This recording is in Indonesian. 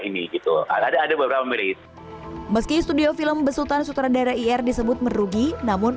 ini gitu ada ada beberapa mirip meski studio film besutan sutradara ir disebut merugi namun